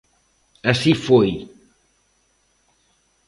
Así foi.